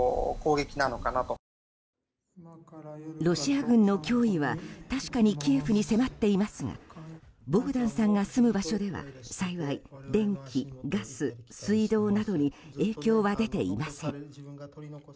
ロシア軍の脅威は確かにキエフに迫っていますがボグダンさんが住む場所では幸い電気、ガス、水道などに影響は出ていません。